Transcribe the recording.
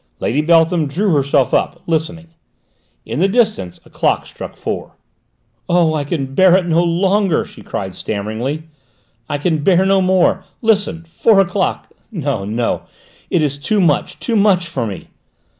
Lady Beltham drew herself up, listening. In the distance a clock struck four. "Oh, I can bear it no longer!" she cried stammeringly. "I can bear no more! Listen; four o'clock! No, no! It is too much, too much for me!"